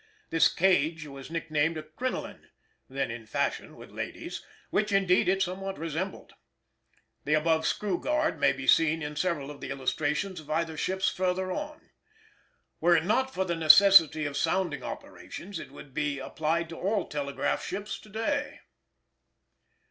This cage was nicknamed a "crinoline" (then in fashion with ladies), which, indeed, it somewhat resembled. The above screw guard may be seen in several of the illustrations of either ships farther on. Were it not for the necessity of sounding operations, it would be applied to all telegraph ships to day.